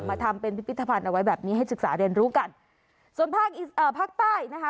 ทำเป็นพิพิธภัณฑ์เอาไว้แบบนี้ให้ศึกษาเรียนรู้กันส่วนภาคเอ่อภาคใต้นะคะ